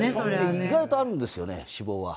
意外とあるんですよ、脂肪は。